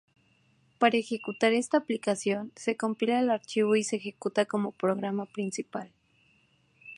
Para ejecutar esta aplicación se compila el archivo y se ejecuta como programa principal.